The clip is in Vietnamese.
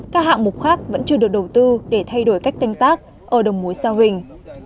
các hạng mục khác vẫn chưa được đầu tư để thay đổi cách canh tác ở đồng mối sa huỳnh